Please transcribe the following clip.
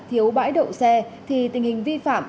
thiếu bãi độ xe thì tình hình vi phạm